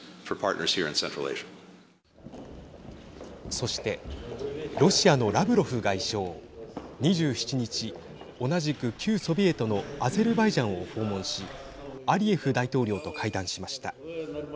そして、ロシアのラブロフ外相２７日、同じく旧ソビエトのアゼルバイジャンを訪問しアリエフ大統領と会談しました。